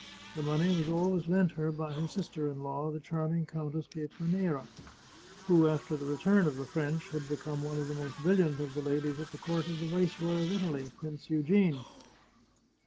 The money was always lent her by her sister in law, the charming Countess Pietra nera, who, after the return of the French, had become one of the most brilliant of the ladies at the court of the Viceroy of Italy, Prince Eugene.